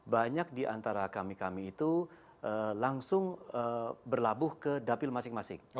banyak diantara kami kami itu langsung berlabuh ke dapil masing masing